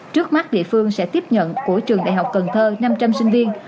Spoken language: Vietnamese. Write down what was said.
trước mắt địa phương sẽ tiếp nhận của trường đại học cần thơ năm trăm linh sinh viên